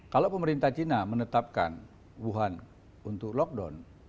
kalau pemerintah cina menetapkan wuhan untuk lockdown